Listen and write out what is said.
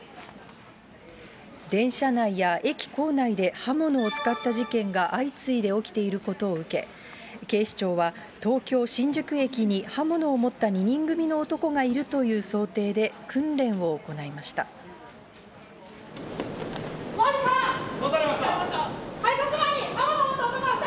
電車内や駅構内で刃物を使った事件が相次いで起きていることを受け、警視庁は、東京・新宿駅に刃物を持った２人組の男がいるという想定で訓練を行いました。